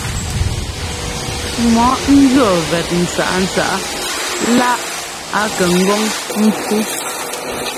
Mɔ ńjʉɔ́ vɛt ntsǎꞌntsǎꞌa lá a kɛ ŋgɔ́ŋ ḿpfú.